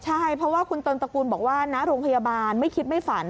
ใช่เพราะว่าคุณตนตระกูลบอกว่าณโรงพยาบาลไม่คิดไม่ฝัน